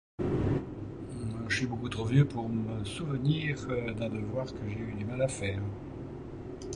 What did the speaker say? Je suis beaucoup trop vieux pour me souvenir d'un devoir que j'ai eu du mal à faire.